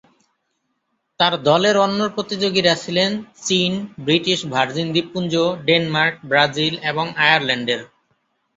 তার দলের অন্য প্রতিযোগীরা ছিলেন চীন, ব্রিটিশ ভার্জিন দ্বীপপুঞ্জ, ডেনমার্ক, ব্রাজিল এবং আয়ারল্যান্ডের।